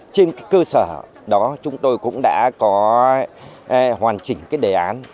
trên cái cơ sở đó chúng tôi cũng đã có hoàn chỉnh cái đề án